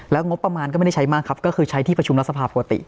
งบประมาณก็ไม่ได้ใช้มากครับก็คือใช้ที่ประชุมรัฐสภาปกติ